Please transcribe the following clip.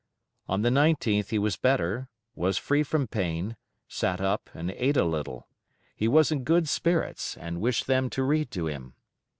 On the 19th he was better, was free from pain, sat up, and ate a little. He was in good spirits, and wished them to read to him.